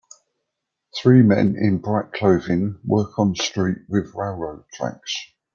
Three men in bright clothing work on street with railroad tracks.